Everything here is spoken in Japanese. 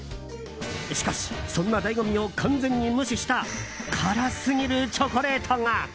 しかし、そんな醍醐味を完全に無視した辛すぎるチョコレートが！